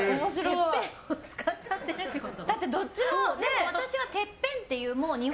てっぺんを使っちゃってるってこと？